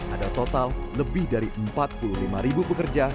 ada total lebih dari empat puluh lima ribu pekerja